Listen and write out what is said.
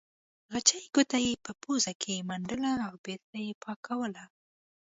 خچۍ ګوته یې په پوزه کې منډلې او بېرته یې پاکوله.